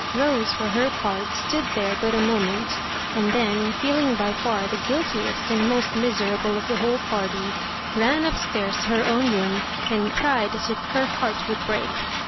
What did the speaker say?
Rose, for her part, stood there but a mo ment, and then, feeling by far the guiltiest and most miserable of the whole party, ran up stairs to her own room and cried as if her heart would break.